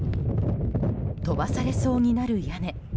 飛ばされそうになる屋根。